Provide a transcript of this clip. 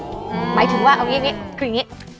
หมายถึงว่าเอาอย่างนี้คืออย่างนี้